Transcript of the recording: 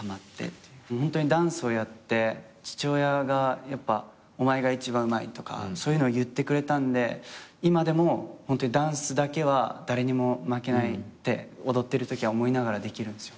ホントにダンスをやって父親が「お前が一番うまい」とかそういうのを言ってくれたんで今でもホントにダンスだけは誰にも負けないって踊ってるときは思いながらできるんですよ。